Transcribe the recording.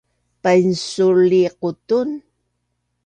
painsul i qutun